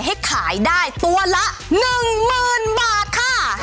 ให้ขายได้ตัวละหนึ่งหมื่นบาทค่ะ